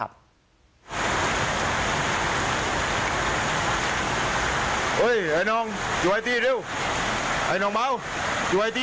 ไปไป